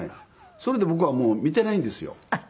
それで僕はもう見ていないんですよ。